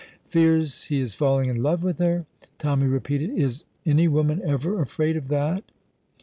"Fears he is falling in love with her!" Tommy repeated. "Is any woman ever afraid of that?"